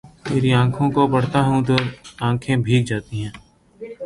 تری آنکھوں کو پڑھتا ہوں تو آنکھیں بھیگ جاتی ہی